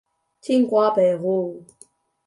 水管路步道